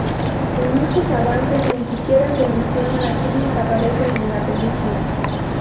En muchos avances ni siquiera se menciona a quienes aparecen en la película.